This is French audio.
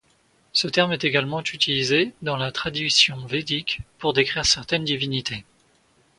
Ce terme est également utilisé dans la tradition védique pour décrire certaine divinités.